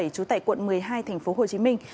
trú tại quận một mươi hai thành phố hồ chí minh